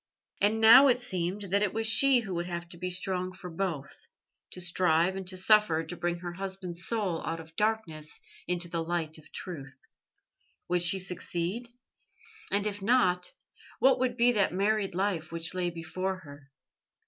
And now it seemed that it was she who would have to be strong for both; to strive and to suffer to bring her husband's soul out of darkness into the light of truth. Would she succeed? And if not, what would be that married life which lay before her?